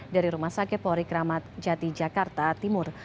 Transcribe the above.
dari rumah sakit pori keramat jati jakarta timur